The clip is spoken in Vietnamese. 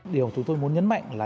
điều chúng tôi muốn nhấn mạnh là